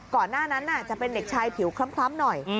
ก่อนหน้านั้นจะเป็นเด็กชายผิวคล้ำหน่อย